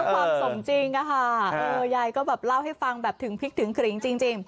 ความสมจริงอะค่ะยายก็แบบเล่าให้ฟังแบบถึงพริกถึงขริงจริง